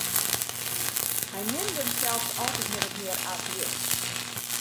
Hy neamde himsels altyd min of mear ateïst.